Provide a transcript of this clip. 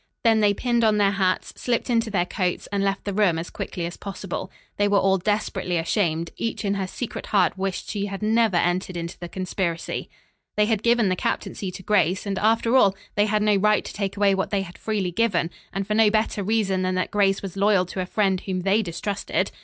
Then they pinned on their hats, slipped into their coats and left the room as quickly as possible. They were all desperately ashamed; each in her secret heart wished she had never entered into the conspiracy. They had given the captaincy to Grace, and after all, they had no right to take away what they had freely given, and for no better reason than that Grace was loyal to a friend whom they distrusted.